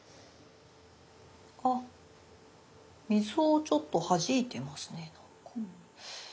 あ水をちょっとはじいてますね。